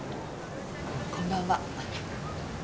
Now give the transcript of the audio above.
こんばんは。